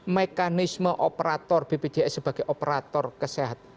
mekanisme operator bpjs sebagai operator kesehatan